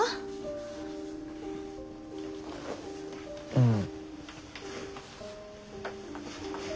うん。